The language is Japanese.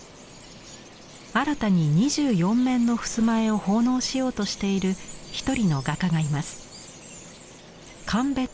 新たに２４面のふすま絵を奉納しようとしている一人の画家がいます。